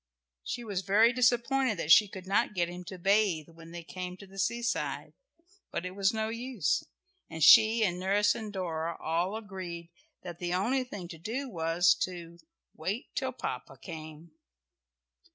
She was very disappointed that she could not get him to bathe when they came to the seaside, but it was no use, and she and nurse and Dora all agreed that the only thing to do was to "wait till Papa came."